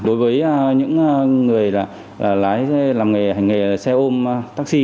đối với những người làm nghề xe ôm taxi